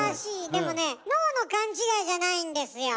でもね脳の勘違いじゃないんですよ。